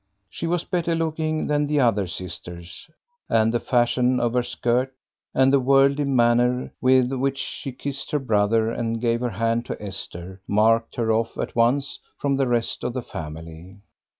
She was better looking than the other sisters, and the fashion of her skirt, and the worldly manner with which she kissed her brother and gave her hand to Esther, marked her off at once from the rest of the family.